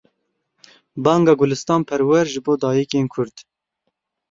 Banga Gulistan Perwer ji bo dayikên Kurd.